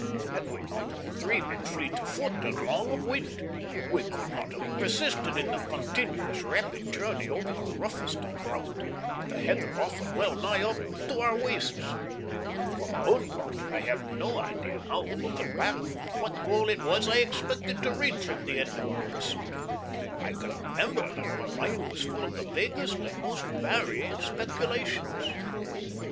Had we not all three been fleet of foot and long of wind, we could not have persisted in the continuous, rapid journey over the roughest of ground, with the heather often well nigh up to our waists. For my own part, I have no idea now, looking back, what goal it was which I expected to reach at the end of our pursuit. I can remember that my mind was full of the vaguest and most varying speculations.